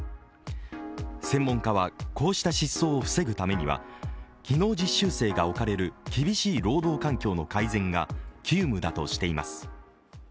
専門家はこうした失踪を防ぐためには技能実習生が置かれる厳しい労働環境の改善が急務だとしています。